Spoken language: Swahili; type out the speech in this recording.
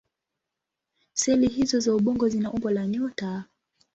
Seli hizO za ubongo zina umbo la nyota.